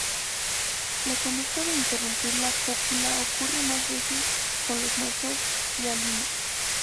La conducta de interrumpir la cópula ocurre más veces con los machos hialinos.